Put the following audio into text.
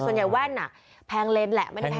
ส่วนใหญ่แว่นแพงเลนส์แหละ